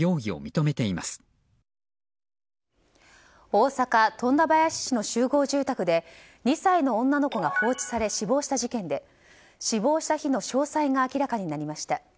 大阪・富田林市の集合住宅で２歳の女の子が放置され死亡した事件で死亡した日の詳細が明らかになりました。